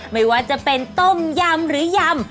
ไม่ว่าจะเป็นต้มยำหรือยำ